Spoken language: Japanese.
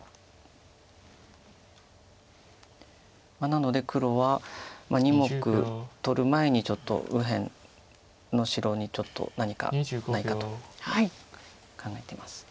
なので黒は２目取る前に右辺の白にちょっと何かないかと考えてます。